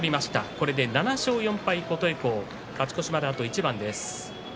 これで７勝４敗、琴恵光勝ち越しまで、あと一番です。